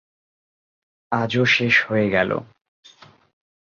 আজ ও শেষ হয়ে গেলো।